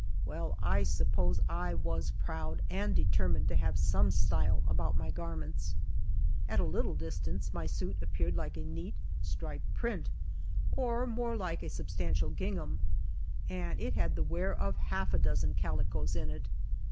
Well, 1 suppose I was proud, and determined to have some "style'' about my garments. At a little distance my suit appeared like a neat, striped print, or more like a substan tial gingham, and it had the wear of half a dozen calicoes in it.